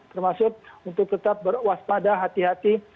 termasuk untuk tetap berwaspada hati hati